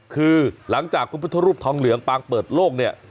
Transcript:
คือหลังจากพระพุทธรูปทองเหลืองปางเปิดโลกเนี่ย